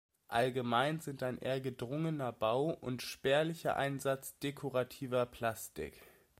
Allgemein sind ein eher gedrungener Bau und spärlicher Einsatz dekorativer Plastik.